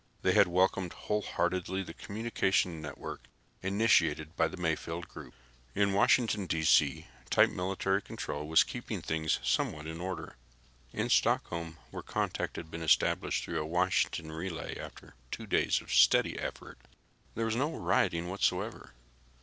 They had welcomed wholeheartedly the communication network initiated by the Mayfield group. In Washington, D.C. tight military control was keeping things somewhat in order. In Stockholm, where contact had been established through a Washington relay after 2 days of steady effort, there was no rioting whatever.